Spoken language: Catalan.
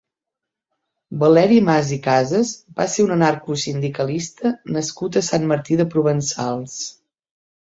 Valeri Mas i Casas va ser un anarcosindicalista nascut a Sant Martí de Provençals.